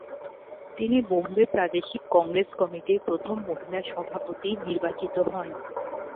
তিনি বোম্বে প্রাদেশিক কংগ্রেস কমিটির প্রথম মহিলা সভাপতি নির্বাচিত হন।